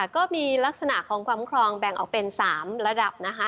ก็มีลักษณะของความครองแบ่งออกเป็น๓ระดับนะคะ